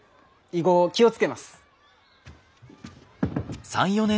以後気を付けます。